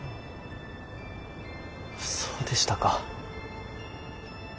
そうでしたか。